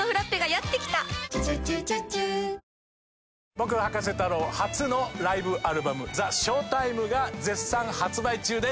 僕葉加瀬太郎初のライブアルバム『ＴＨＥＳＨＯＷＴＩＭＥ』が絶賛発売中です。